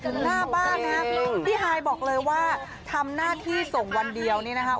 หน้าบ้านนะครับพี่ฮายบอกเลยว่าทำหน้าที่ส่งวันเดียวนี่นะครับ